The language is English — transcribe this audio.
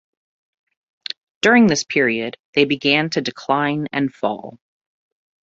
During this period, they began to decline and fall.